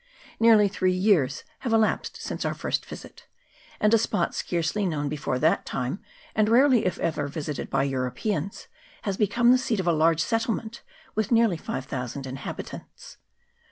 Nearly three years have elapsed since our first visit ; and a spot scarcely known before that time, and rarely if ever visited by Europeans, has become the seat of a large settlement, with nearly 5000 inhabitants.